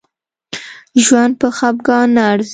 ژوند په خپګان نه ارزي